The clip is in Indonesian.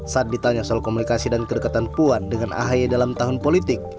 saat ditanya soal komunikasi dan kedekatan puan dengan ahy dalam tahun politik